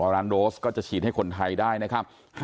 ล้านโดสก็จะฉีดให้คนไทยได้นะครับ